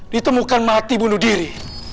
ditemukan mati bunuh diri